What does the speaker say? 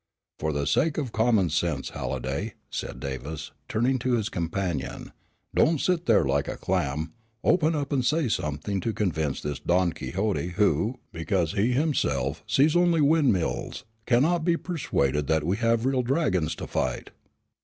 "For the sake of common sense, Halliday," said Davis, turning to his companion, "don't sit there like a clam; open up and say something to convince this Don Quixote who, because he himself, sees only windmills, cannot be persuaded that we have real dragons to fight."